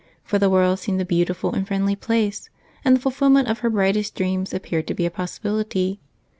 The world seemed a beautiful and friendly place, and fulfillment of her brightest dreams appeared to be a possibility.